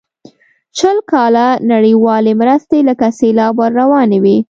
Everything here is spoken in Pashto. شل کاله نړیوالې مرستې لکه سیلاب ور روانې وې.